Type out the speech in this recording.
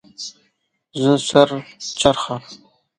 زه سر چرخه